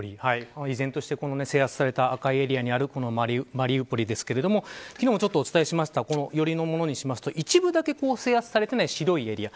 依然として制圧された赤いエリアにあるマリウポリですけれども昨日もお伝えしました寄りのものにすると一部だけ制圧されていない白いエリア